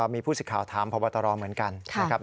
มีผู้สิทธิ์ข่าวถามพบตรเหมือนกันนะครับ